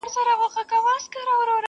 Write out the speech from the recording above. o يوه کډه د بلي کډي زړه کاږي٫